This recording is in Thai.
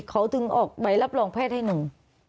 เขาถึงออกใบรับรองแพทย์ให้หนู